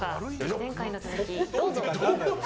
前回の続き、どうぞ。